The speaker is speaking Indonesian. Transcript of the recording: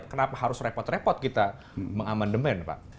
kenapa harus repot repot kita mengamandemen pak